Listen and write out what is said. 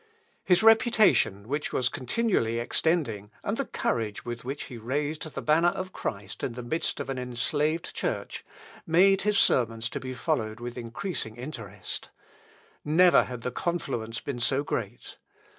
His reputation, which was continually extending, and the courage with which he raised the banner of Christ in the midst of an enslaved Church, made his sermons be followed with increasing interest. Never had the confluence been so great.